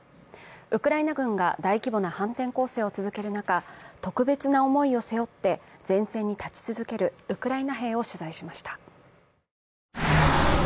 ウクライナ軍が大規模な反転攻勢を続ける中、特別な思いを背負って前線に立ち続けるウクライナ兵を取材しました。